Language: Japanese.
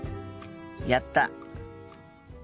やった。